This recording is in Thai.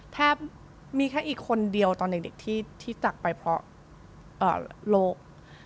แทบมีแค่อีกคนเดียวตอนเด็กที่ตักไปเพราะโรค